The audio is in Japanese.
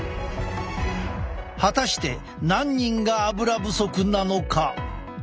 果たして何人がアブラ不足なのか？